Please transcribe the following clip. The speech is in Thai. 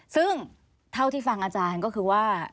ซึ่งเท่าที่ฟังอาจารย์ก็คือว่า